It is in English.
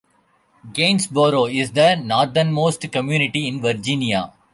Gainesboro is the northernmost community in Virginia.